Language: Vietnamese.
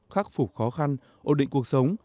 khắc phục khó khăn ổn định cuộc sống